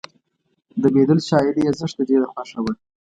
د بیدل شاعري یې زښته ډېره خوښه وه